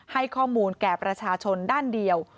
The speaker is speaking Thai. ให้ข้อมูลแก่ประชาชนด้านเดียว